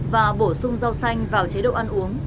và bổ sung rau xanh vào chế độ ăn uống